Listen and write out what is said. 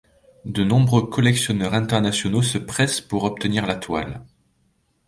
De nombreux collectionneurs internationaux se pressent pour obtenir la toile.